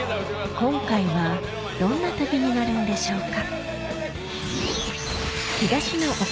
今回はどんな旅になるんでしょうか？